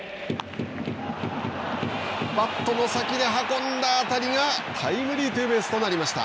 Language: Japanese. バットの先に運んだ当たりがタイムリーツーベースとなりました。